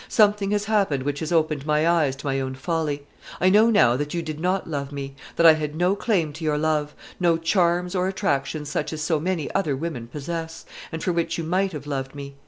Something has happened which has opened my eyes to my own folly, I know now that you did not love me; that I had no claim to your love; no charms or attractions such as so many other women possess, and for which you might have loved me.